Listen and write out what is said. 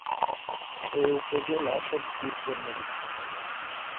এ উপজেলা সবজির জন্য বিখ্যাত।